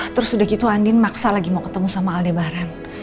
terus udah gitu andin maksa lagi mau ketemu sama aldebaran